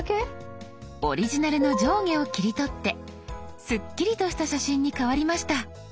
オリジナルの上下を切り取ってスッキリとした写真に変わりました。